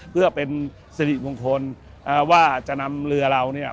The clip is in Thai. เพื่อเป็นศดีตวงคลอ่าว่าจะนำเรือเราเนี้ย